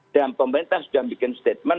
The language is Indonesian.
dan pemerintah sudah membuat statement